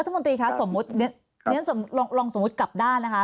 ค่ะรัฐมนตรีคะสมมุติลองสมมุติกลับด้านนะคะ